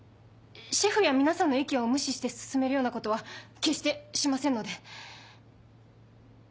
シェフや皆さんの意見を無視して進めるようなことは決してしませんので。